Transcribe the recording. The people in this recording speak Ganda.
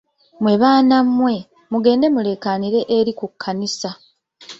Mmwe baana mmwe, mugende muleekaanire eri ku kkanisa.